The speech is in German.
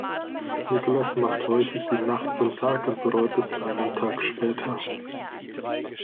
Nikolas macht häufig die Nacht zum Tag und bereut es einen Tag später.